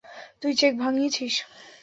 তুই চেক ভাঙিয়েছিস?